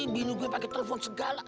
bingung gue pakai telepon segala